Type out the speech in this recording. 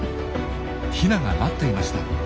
ヒナが待っていました。